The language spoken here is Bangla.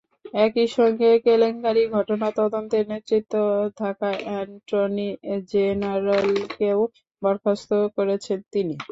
একই সঙ্গে কেলেঙ্কারির ঘটনা তদন্তের নেতৃত্বে থাকা অ্যাটর্নি জেনারেলকেও বরখাস্ত করেছেন তিনি।